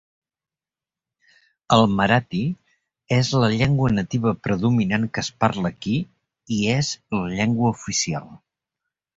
El marathi és la llengua nativa predominant que es parla aquí, i és la llengua oficial.